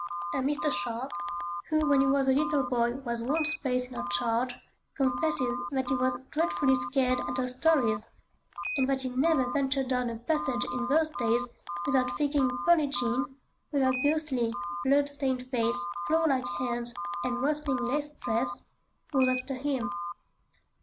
A Mr. Sharpe, who when he was a little boy was once placed in her charge, confesses that he was dreadfully scared at her stories, and that he never ventured down a passage in those days without thinking "Pearlin' Jean," with her ghostly, blood stained face, clawlike hands, and rustling lace dress, was after him.